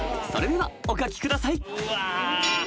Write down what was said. ［それではお書きください］さあ